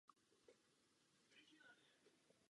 Stejně tak je důležité zajistit soudržnost rozvojových politik.